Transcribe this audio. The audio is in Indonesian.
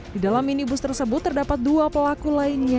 di dalam minibus tersebut terdapat dua pelaku lainnya